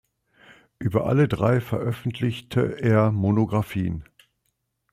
Über alle drei veröffentliche er Monographien.